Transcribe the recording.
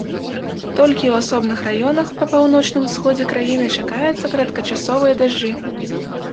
Толькі ў асобных раёнах па паўночным усходзе краіны чакаюцца кароткачасовыя дажджы.